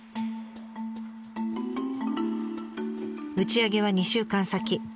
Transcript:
打ち上げは２週間先。